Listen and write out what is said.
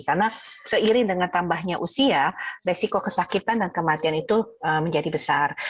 karena seiring dengan tambahnya usia resiko kesakitan dan kematian itu menjadi besar